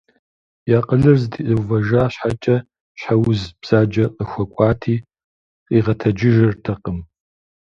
И акъылыр зэтеувэжа щхьэкӏэ, щхьэ уз бзаджэ къыхуэкӏуати къигъэтэджыртэкъым.